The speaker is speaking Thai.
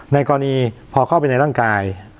ในกรณีพอเข้าไปในร่างกาย